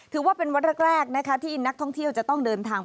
ถือว่าเป็นวันแรกนะคะที่นักท่องเที่ยวจะต้องเดินทาง